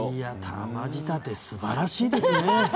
玉仕立てすばらしいですね。